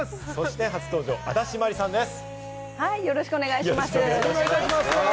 そして初登場、足立真理さんです。